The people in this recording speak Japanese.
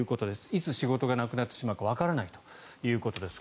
いつ仕事がなくなってしまうかわからないということです。